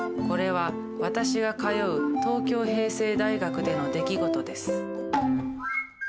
これは私が通う東京平成大学での出来事です。